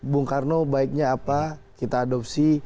bung karno baiknya apa kita adopsi